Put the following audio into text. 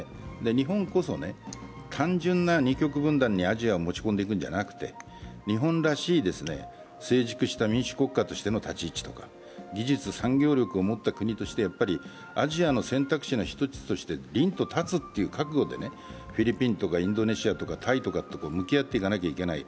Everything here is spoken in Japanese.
日本こそ単純な二極分断にアジアを持っていくんじゃなくて、日本らしい、成熟した民主国家としての立ち位置とか、技術産業力を持った国としてアジアの選択肢の一つとして凛と立つという覚悟でフィリピンとかタイやインドネシアと向き合っていかなきゃいけない。